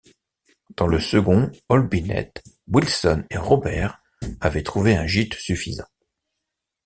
Dans le second, Olbinett, Wilson et Robert avaient trouvé un gîte suffisant.